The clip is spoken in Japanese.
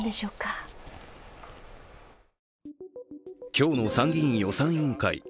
今日の参議院予算委員会。